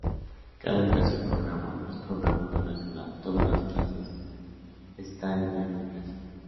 Cada educación programa es "programa internacional", todas las clases está en lengua inglesa.